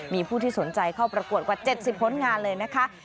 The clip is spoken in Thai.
มีผู้ที่สนใจเข้าประกวดกว่า๗๐ผลงานเลยนะคะ